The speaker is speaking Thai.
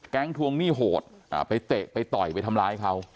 ทวงหนี้โหดไปเตะไปต่อยไปทำร้ายเขา